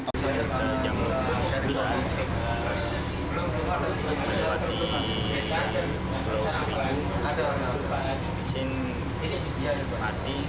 bisiknya berarti kemur nggak bisa hidup